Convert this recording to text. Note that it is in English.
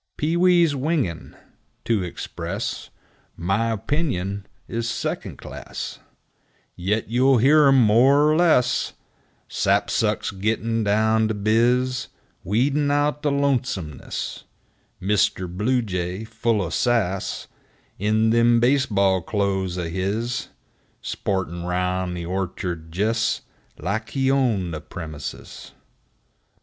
5 Pee wees' singin', to express My opinion, 's second class, Yit you'll hear 'em more er less; Sapsucks gittin' down to biz, Weedin' out the lonesomeness; Mr. Bluejay, full o' sass, In them base ball clothes o' his, Sportin' round the orchard jes' Life he owned the premises!